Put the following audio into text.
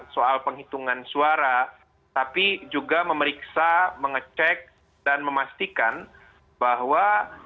soal penghitungan suara tapi juga memeriksa mengecek dan memastikan bahwa